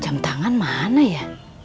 jam tangan mana ya